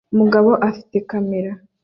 Umugabo ufite kamera